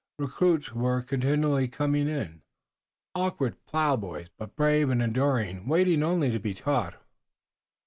Recruits were continually coming in, awkward plowboys, but brave and enduring, waiting only to be taught.